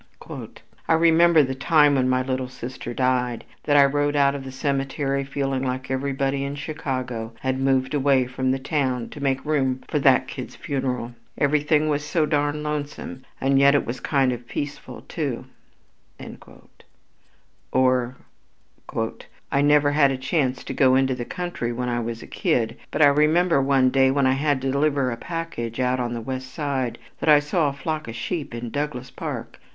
"I remember the time when my little sister died, that I rode out to the cemetery feeling that everybody in Chicago had moved away from the town to make room for that kid's funeral, everything was so darned lonesome and yet it was kind of peaceful too." Or, "I never had a chance to go into the country when I was a kid, but I remember one day when I had to deliver a package way out on the West Side, that I saw a flock of sheep in Douglas Park.